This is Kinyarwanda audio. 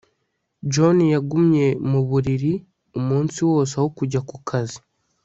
John yagumye mu buriri umunsi wose aho kujya ku kazi